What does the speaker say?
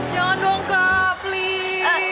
jangan dong kak please